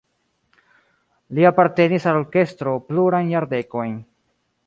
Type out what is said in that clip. Li apartenis al orkestro plurajn jardekojn.